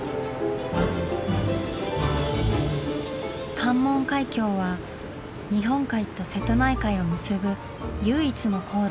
関門海峡は日本海と瀬戸内海を結ぶ唯一の航路。